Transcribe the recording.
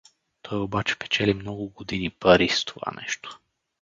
Той обаче печели много години пари с това нещо.